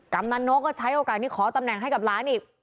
กำลังนกก็ใช้โอกาสนี้ขอตำแหน่งให้กับหลานอีก